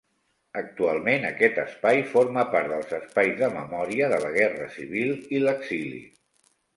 Actualment aquest espai forma part dels espais de memòria de la Guerra Civil i l'exili.